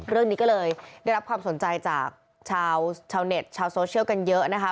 เรื่องนี้ก็เลยได้รับความสนใจจากชาวเน็ตชาวโซเชียลกันเยอะนะคะ